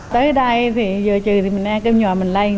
tới đây thì giờ trừ thì mình ăn cơm nhỏ mình lây